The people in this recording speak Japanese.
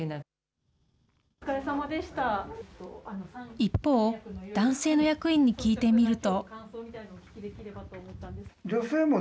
一方、男性の役員に聞いてみると。